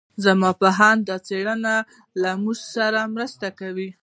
زما په اند دا څېړنه له موږ سره مرسته کوي.